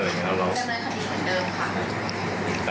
เริ่มดันบรรค์และดีหรือว่าถูกเล่นกันเดิมค่ะ